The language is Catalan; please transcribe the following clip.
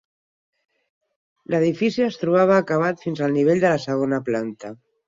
L'edifici es trobava acabat fins al nivell de la segona planta.